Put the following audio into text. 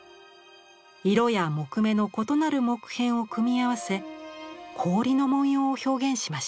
色や木目の異なる木片を組み合わせ氷の文様を表現しました。